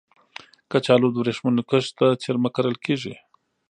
کچالو د ورېښمو کښت ته څېرمه کرل کېږي